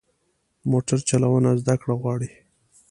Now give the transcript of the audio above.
د موټر چلوونه زده کړه غواړي.